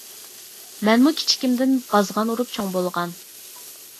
مەنمۇ كىچىكىمدىن بازغان ئۇرۇپ چوڭ بولغان.